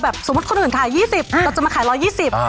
สมมุติคนอื่นขาย๒๐เราจะมาขาย๑๒๐บาท